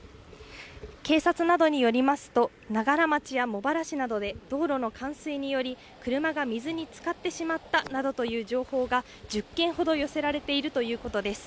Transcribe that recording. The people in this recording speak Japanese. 警察などによりますと、長柄町や茂原市などで、道路の冠水により、車が水につかってしまったなどという情報が、１０件ほど寄せられているということです。